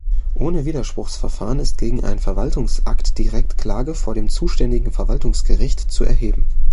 Ohne Widerspruchsverfahren ist gegen einen Verwaltungsakt direkt Klage vor dem zuständigen Verwaltungsgericht zu erheben.